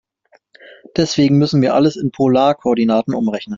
Deswegen müssen wir alles in Polarkoordinaten umrechnen.